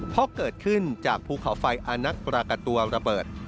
เพราะเกิดขึ้นจากภูเขาไฟอานักปรากฏตัวระเบิด